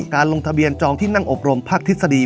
ลงทะเบียนจองที่นั่งอบรมภาคทฤษฎี